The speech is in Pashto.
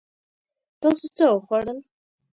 تاسو څه وخوړل؟